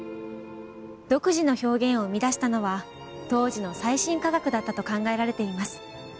独自の表現を生み出したのは当時の最新科学だったと考えられています。